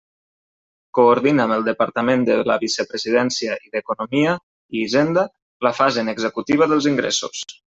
Coordina amb el Departament de la Vicepresidència i d'Economia i Hisenda la fase en executiva dels ingressos.